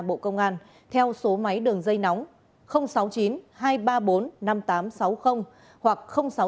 bộ công an theo số máy đường dây nóng sáu mươi chín hai trăm ba mươi bốn năm nghìn tám trăm sáu mươi hoặc sáu mươi chín hai trăm ba mươi hai một nghìn sáu trăm sáu mươi